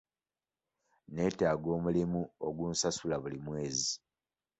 Nneetaaga omulimu ogunsasula buli mwezi.